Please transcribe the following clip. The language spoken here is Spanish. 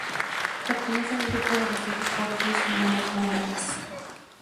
Pertenece al grupo de los anticuerpos monoclonales.